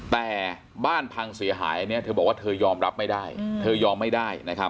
แต่บ้านพังเสียหายเขาบอกว่ายอมรับไม่ได้